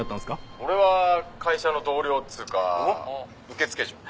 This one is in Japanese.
俺は会社の同僚っつうか受付嬢。